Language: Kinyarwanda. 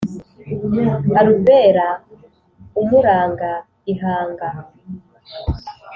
Arubera umuranga ihanga